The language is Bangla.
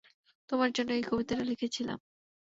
তোমার জন্য এই কবিতাটা লিখেছিলাম।